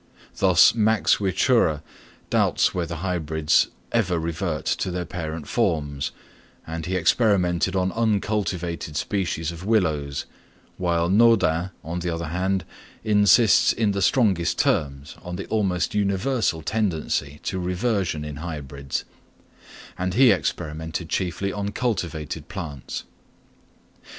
Thus Max Wichura doubts whether hybrids ever revert to their parent forms, and he experimented on uncultivated species of willows, while Naudin, on the other hand, insists in the strongest terms on the almost universal tendency to reversion in hybrids, and he experimented chiefly on cultivated plants.